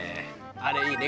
あれいいね